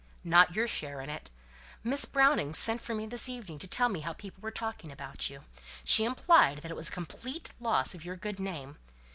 "Not your share in it. Miss Browning sent for me this evening to tell me how people were talking about you. She implied that it was a complete loss of your good name.